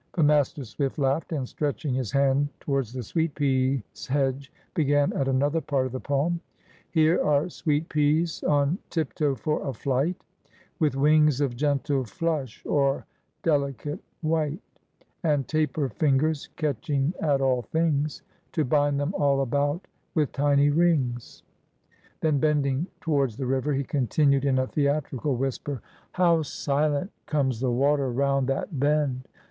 But Master Swift laughed, and, stretching his hand towards the sweet peas hedge began at another part of the poem:— "Here are sweet peas on tiptoe for a flight: With wings of gentle flush o'er delicate white, And taper fingers catching at all things To bind them all about with tiny rings." Then, bending towards the river, he continued in a theatrical whisper:— "How silent comes the water round that bend!